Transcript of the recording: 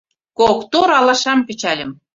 Кок тор алашам кычкальым -